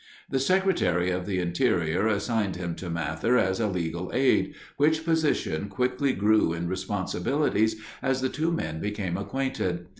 The Secretary of the Interior assigned him to Mather as a legal aid, which position quickly grew in responsibilities as the two men became acquainted.